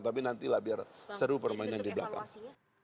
tapi nantilah biar seru permainan di belakang